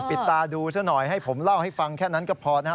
ปิดตาดูซะหน่อยให้ผมเล่าให้ฟังแค่นั้นก็พอนะฮะ